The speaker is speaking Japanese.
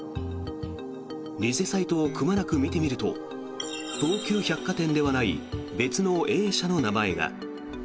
偽サイトをくまなく見てみると東急百貨店ではない別のＡ社の名前が。